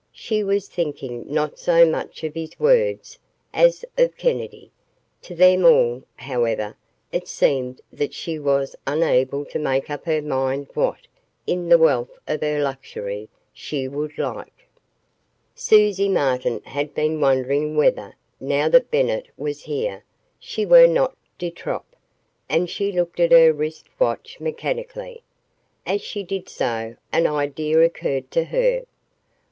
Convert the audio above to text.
She was thinking not so much of his words as of Kennedy. To them all, however, it seemed that she was unable to make up her mind what, in the wealth of her luxury, she would like. Susie Martin had been wondering whether, now that Bennett was here, she were not de trop, and she looked at her wrist watch mechanically. As she did so, an idea occurred to her.